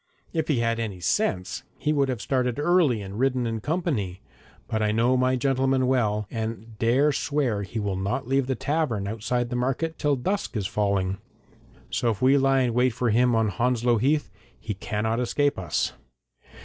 If he had any sense he would have started early and ridden in company, but I know my gentleman well, and dare swear he will not leave the tavern outside the market till dusk is falling. So if we lie in wait for him on Hounslow Heath, he cannot escape us.'